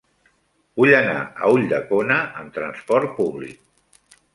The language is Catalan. Vull anar a Ulldecona amb trasport públic.